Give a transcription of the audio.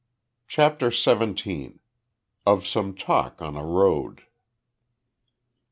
CHAPTER SEVENTEEN. OF SOME TALK ON A ROAD.